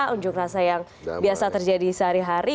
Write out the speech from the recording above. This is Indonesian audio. unjuk rasa yang biasa terjadi sehari hari